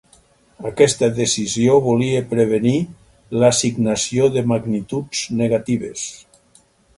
Aquesta decisió volia prevenir l'assignació de magnituds negatives.